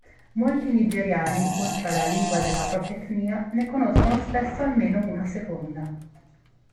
Molti Nigeriani, oltre alla lingua della propria etnia, ne conoscono spesso almeno una seconda.